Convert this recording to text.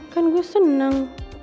kan gue seneng